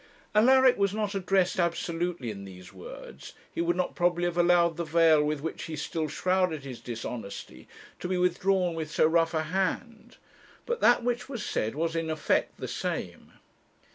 Alaric was not addressed absolutely in these words; he would not probably have allowed the veil with which he still shrouded his dishonesty to be withdrawn with so rough a hand; but that which was said was in effect the same.